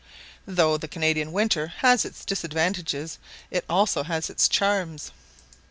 Though the Canadian winter has its disadvantages, it also has its charms.